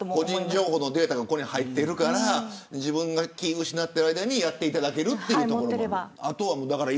個人情報のデータがここに入っているから自分が気を失っている間にやってもらえるというところ。